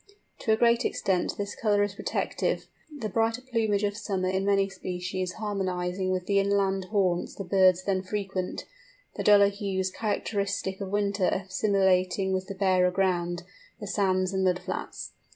To a great extent this colour is protective, the brighter plumage of summer in many species harmonising with the inland haunts the birds then frequent: the duller hues characteristic of winter assimilating with the barer ground—the sands and mud flats.